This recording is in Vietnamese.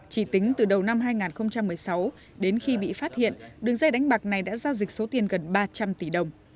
chỉ tính từ đầu năm hai nghìn một mươi sáu đến khi bị phát hiện đường dây đánh bạc này đã giao dịch số tiền gần ba trăm linh tỷ đồng